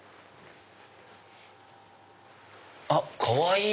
あっかわいい！